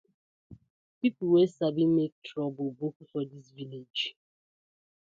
Pipu wey sabi mak toruble boku for dis villag.